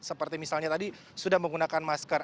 seperti misalnya tadi sudah menggunakan masker